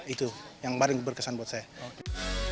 itu yang paling berkesan buat saya